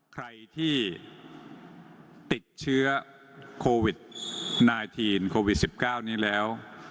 ใครที่ติดเชื้อโควิดนายทีนโควิดสิบเก้านี้แล้ว